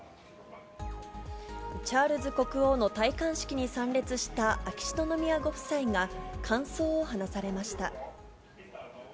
チャールズ国王の戴冠式に参列した秋篠宮ご夫妻が、感想を話されました。